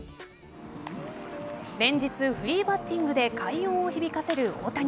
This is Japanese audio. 連日、フリーバッティングで快音を響かせる大谷。